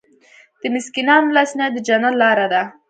د مسکینانو لاسنیوی د جنت لاره ده.